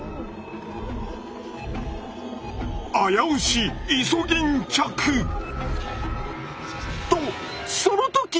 危うしイソギンチャク！とその時！